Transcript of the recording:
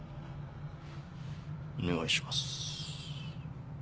お願いします。